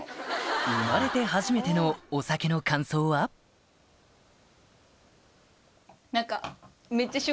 生まれて初めてのお酒の感想は？何か。